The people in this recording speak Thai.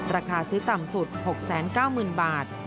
ราคาซื้อต่ำสุด๖๙๐๐๐บาท